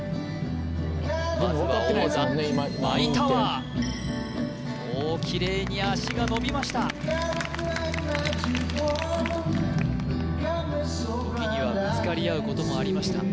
まずは大技舞タワーおきれいに足が伸びました時にはぶつかり合うこともありました